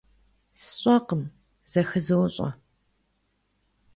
СщӀэкъым, зэхызощӀэ.